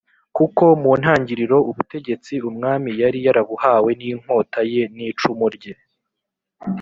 kuko mu ntangiriro ubutegetsi umwami yari yarabuhawe n' inkota ye n' icumu rye.